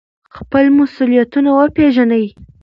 خپل مسؤلیتونه وپیژنئ.